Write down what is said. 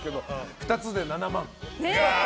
２つで７万。